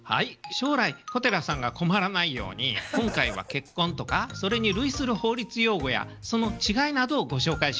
将来小寺さんが困らないように今回は結婚とかそれに類する法律用語やその違いなどをご紹介しましょう。